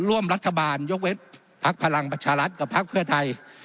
ร่วมรัฐบาลยกเวชพลักษณ์พลังปัชฌาลัศน์กับพลักษณ์เพื่อไทย